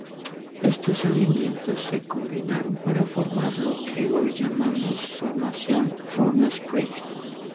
Estos sedimentos se combinaron para formar lo que hoy llamamos la Formación Furnace Creek.